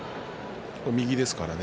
右ですからね。